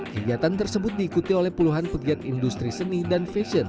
kegiatan tersebut diikuti oleh puluhan pegiat industri seni dan fashion